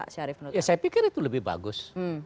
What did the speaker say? saya pikir itu lebih bagus